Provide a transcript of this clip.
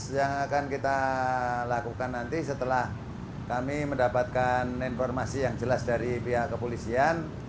yang akan kita lakukan nanti setelah kami mendapatkan informasi yang jelas dari pihak kepolisian